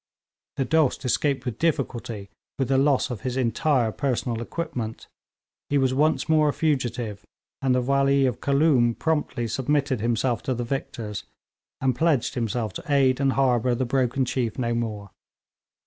The Dost escaped with difficulty, with the loss of his entire personal equipment. He was once more a fugitive, and the Wali of Khooloom promptly submitted himself to the victors, and pledged himself to aid and harbour the broken chief no more.